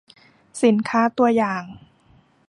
สินค้าตัวอย่าง